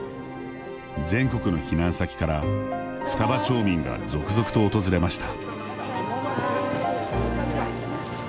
全国の避難先から双葉町民が続々と訪れました。